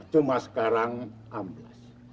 cuma sekarang ambil